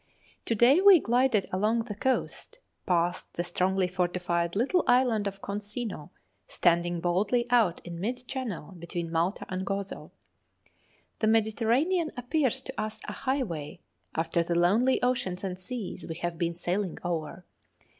To day we glided along the coast, past the strongly fortified little island of Consino, standing boldly out in mid channel between Malta and Gozo. The Mediterranean appears to us a highway after the lonely oceans and seas we have been sailing over.